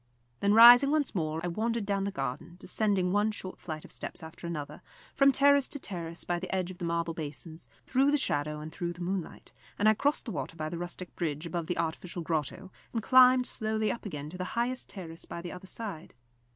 Then rising once more I wandered down the garden, descending one short flight of steps after another, from terrace to terrace by the edge of the marble basins, through the shadow and through the moonlight; and I crossed the water by the rustic bridge above the artificial grotto, and climbed slowly up again to the highest terrace by the other side.